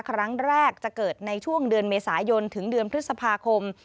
ครั้งแรกจะเกิดในช่วงเดือนเมษายนถึงเดือนพฤษภาคม